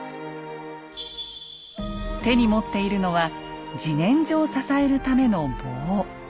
手に持っているのは自然薯を支えるための棒。